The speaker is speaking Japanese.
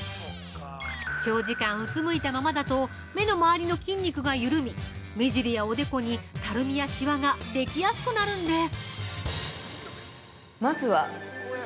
長時間うつむいたままだと目の周りの筋肉が緩み目尻やおでこに、たるみやしわができやすくなるんです。